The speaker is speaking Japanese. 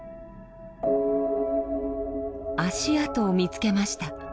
足跡を見つけました。